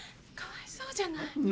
かわいそうじゃない。